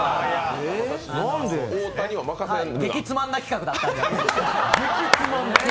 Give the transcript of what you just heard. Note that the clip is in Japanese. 激つまんない企画だったんで。